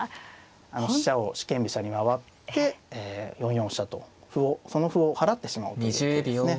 飛車を四間飛車に回って４四飛車と歩をその歩を払ってしまおうということですね。